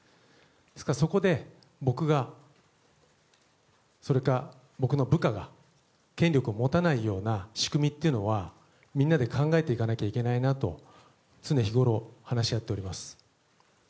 ですから、そこで僕がそれか僕の部下が権力を持たないような仕組みというのはみんなで考えていかなきゃいけないなと常日頃、話し合っております。